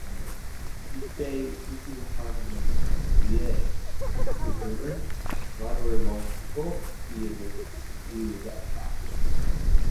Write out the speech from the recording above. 이때 우수수 하는 소리에 그들은 말을 멈추고 귀를 기울였다.